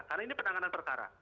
karena ini penanganan perkara